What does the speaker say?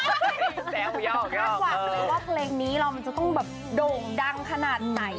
น่ากว่าอีกว่าเพลงนี้เราจะต้องโด่งดังขนาดไหน